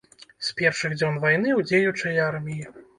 З першых дзён вайны ў дзеючай арміі.